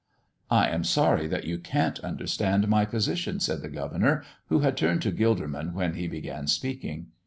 "I am sorry that you can't understand my position," said the governor, who had turned to Gilderman when he began speaking.